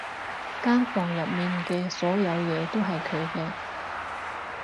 間房入面嘅所有嘢都係佢嘅